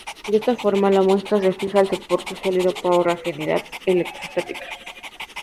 De esta forma, la muestra se fija al soporte sólido por afinidad electrostática.